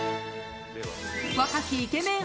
若きイケメン